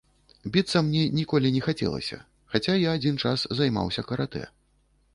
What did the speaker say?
Біцца мне ніколі не хацелася, хаця я адзін час займаўся каратэ.